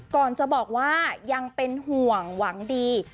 ก่อนจะบอกว่ายังเป็นห่วงหวังดี